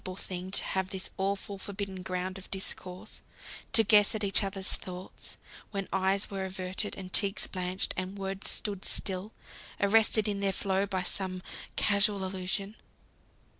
One thing was certain! it was a miserable thing to have this awful forbidden ground of discourse; to guess at each other's thoughts, when eyes were averted, and cheeks blanched, and words stood still, arrested in their flow by some casual allusion.